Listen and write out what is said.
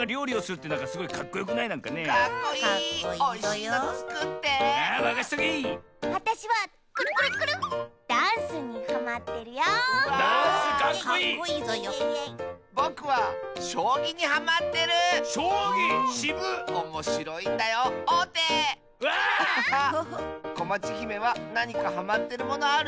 こまちひめはなにかハマってるものある？